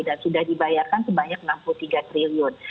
dan sudah dibayarkan sebanyak rp enam puluh tiga triliun